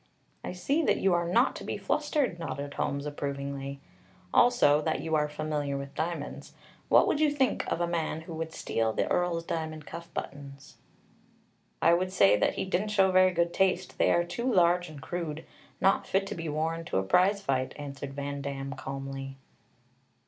"I see that you are not to be flustered," nodded Holmes approvingly; "also that you are familiar with diamonds. What would you think of a man who would steal the Earl's diamond cuff buttons?" "I would say that he didn't show very good taste. They are too large and crude. Not fit to be worn to a prize fight," answered Van Damm calmly.